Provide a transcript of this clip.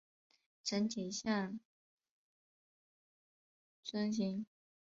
整体像樽形。